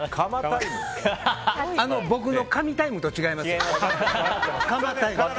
僕のかみタイムと違いますよ。